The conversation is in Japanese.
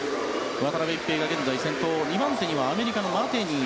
渡辺一平が現在先頭で２番手にアメリカのマテニー。